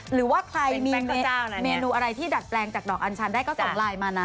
หรือว่าใครมีเมนูอะไรที่ดัดแปลงจากดอกอัญชันได้ก็ส่งไลน์มานะ